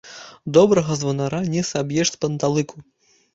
Добрага званара не саб'еш з панталыку.